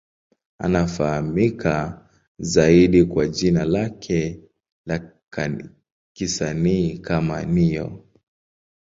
Anafahamika zaidi kwa jina lake la kisanii kama Ne-Yo.